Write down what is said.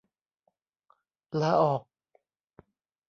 ลาออก